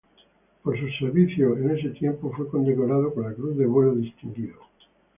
Por sus servicios en ese tiempo, fue condecorado con la Cruz de Vuelo Distinguido.